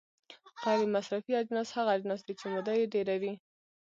غیر مصرفي اجناس هغه اجناس دي چې موده یې ډیره وي.